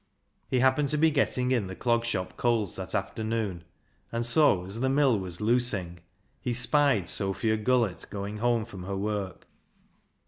He happened to be getting in the Clog Shop coals that afternoon, and so as the mill was "loosing" he spied Sophia Gullett going home from her work.